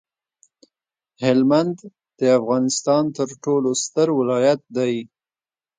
هلمند د افغانستان ترټولو ستر ولایت دی